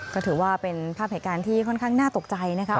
ก็ถือว่าเป็นภาพเหตุการณ์ที่ค่อนข้างน่าตกใจนะครับ